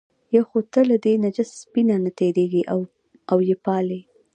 یو خو ته له دې نجس سپي نه تېرېږې او یې پالې.